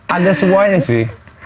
ada semuanya sih